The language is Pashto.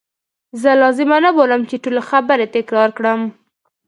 زه لازمه نه بولم چې ټولي خبرې تکرار کړم.